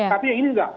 tapi yang ini enggak